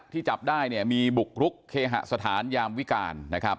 ที่จับได้มีบุกรุกเคหสถานยามวิการนะครับ